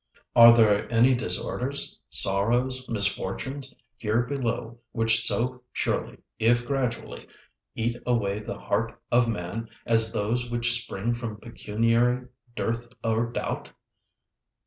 Are there any disorders, sorrows, misfortunes, here below which so surely, if gradually, eat away the heart of man as those which spring from pecuniary dearth or doubt?